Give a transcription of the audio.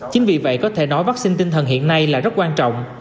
chính vì vậy có thể nói vaccine tinh thần hiện nay là rất quan trọng